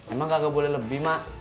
emang kagak boleh lebih mak